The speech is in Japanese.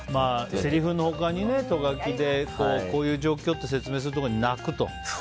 せりふの他にト書きでこういう状況って説明するところに、泣くと。